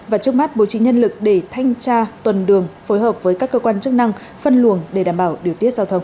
và trước mắt bố trí nhân lực để thanh tra tuần đường phối hợp với các cơ quan chức năng phân luồng để đảm bảo điều tiết giao thông